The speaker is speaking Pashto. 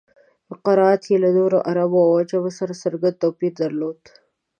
قرائت یې له نورو عربو او عجمو سره څرګند توپیر درلود.